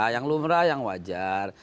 yang lumrah yang wajar